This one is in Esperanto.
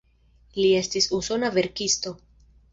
Li estis usona verkisto.